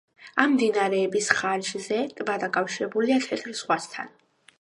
ამ მდინარეების ხარჯზე ტბა დაკავშირებულია თეთრ ზღვასთან.